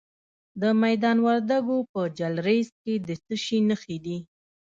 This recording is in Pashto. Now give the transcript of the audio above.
د میدان وردګو په جلریز کې د څه شي نښې دي؟